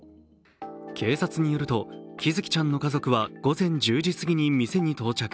警察によると喜寿生ちゃんの家族は午前１０時過ぎに店に到着。